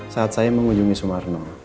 saat saya mengunjungi sumarno